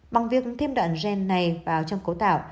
bằng việc thêm đoạn gen này vào trong cấu tạo